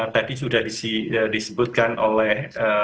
tadi sudah disebutkan oleh